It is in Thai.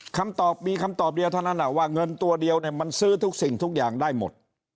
คำตอบมีคำตอบเดียวเท่านั้นว่าเงินตัวเดียวมันซื้อทุกสิ่งทุกอย่างได้หมด